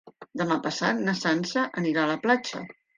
Demà passat na Sança anirà a la platja.